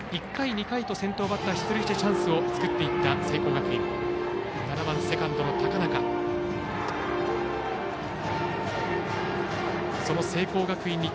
１回、２回と先頭バッターが出塁してチャンスを作っていった聖光学院。